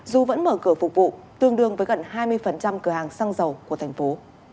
dù vẫn mở cửa phục vụ tương đương với gần hai mươi cửa hàng xăng dầu của thành phố